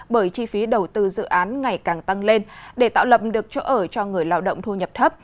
bởi chi phí đầu tư dự án ngày càng tăng lên để tạo lập được chỗ ở cho người lao động thu nhập thấp